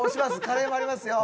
カレーもありますよ。